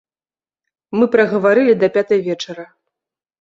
Мы прагаварылі да пятай вечара.